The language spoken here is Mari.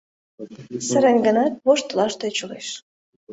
Сырен гынат, воштылаш тӧчылеш.